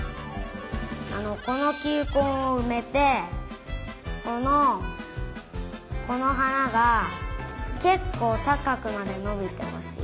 このきゅうこんをうめてこのこのはながけっこうたかくまでのびてほしい。